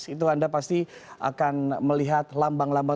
itu anda pasti akan melihat lambang lambang